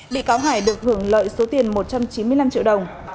bị cáo hải được hưởng lợi số tiền một trăm chín mươi năm triệu đồng